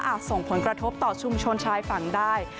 ส่งผลกระทบต่อชุมชนชายฝั่งได้